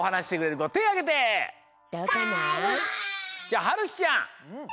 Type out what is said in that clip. じゃあはるひちゃん！